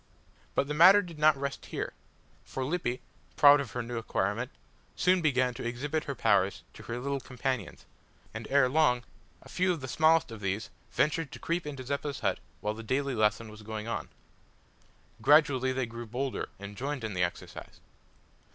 But the matter did not rest here, for Lippy, proud of her new acquirement soon began to exhibit her powers to her little companions, and ere long a few of the smallest of these ventured to creep into Zeppa's hut while the daily lesson was going on. Gradually they grew bolder, and joined in the exercise.